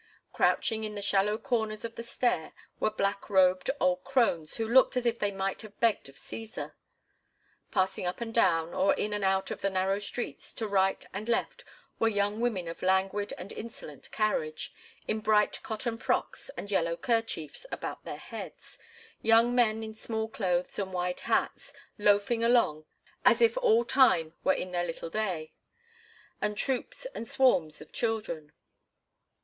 Crouching in the shallow corners of the stair were black robed old crones who looked as if they might have begged of Cæsar. Passing up and down, or in and out of the narrow streets, to right and left were young women of languid and insolent carriage, in bright cotton frocks and yellow kerchiefs about their heads, young men in small clothes and wide hats, loafing along as if all time were in their little day, and troops and swarms of children.